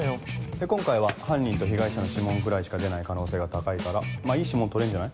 で今回は犯人と被害者の指紋くらいしか出ない可能性が高いからまぁいい指紋採れんじゃない？